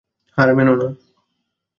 হার মেনো না।